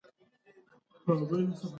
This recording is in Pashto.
قلفونه له کونجۍ پرته نه جوړېږي دا حقیقت دی.